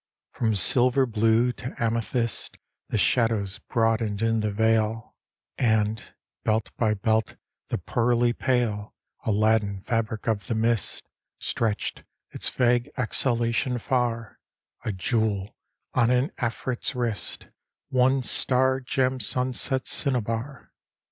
From silver blue to amethyst The shadows broadened in the vale; And, belt by belt, the pearly pale Aladdin fabric of the mist Stretched its vague exhalation far; A jewel on an Afrit's wrist, One star gemmed sunset's cinnabar.